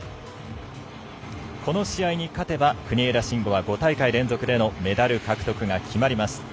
この試合に勝てば国枝慎吾は５大会連続でのメダル獲得が決まります。